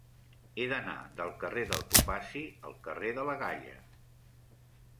He d'anar del carrer del Topazi al carrer de la Galla.